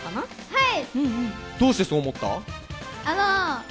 はい。